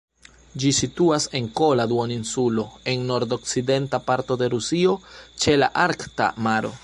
Ĝi situas en Kola duoninsulo, en nord-okcidenta parto de Rusio, ĉe la Arkta maro.